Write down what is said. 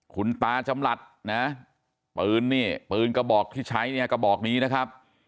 คุณตาจำหลัดนะปืนนี่ปืนกระบอกที่ใช้เนี่ยกระบอกนี้นะครับ